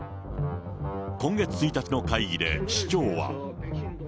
今月１日の会議で市長は。